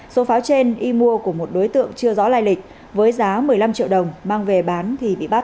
số pháo trên y mua của một đối tượng chưa rõ lai lịch với giá một mươi năm triệu đồng mang về bán thì bị bắt